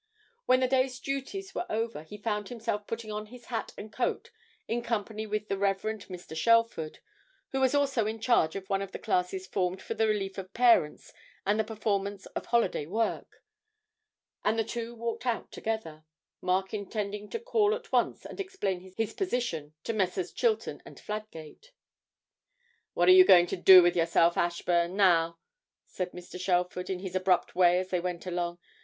When the day's duties were over he found himself putting on his hat and coat in company with the Rev. Mr. Shelford, who was also in charge of one of the classes formed for the relief of parents and the performance of holiday work, and the two walked out together; Mark intending to call at once and explain his position to Messrs. Chilton & Fladgate. 'What are you going to do with yourself, Ashburn, now?' said Mr. Shelford in his abrupt way as they went along.